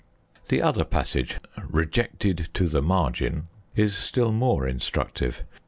The other passage "rejected to the margin" is still more instructive.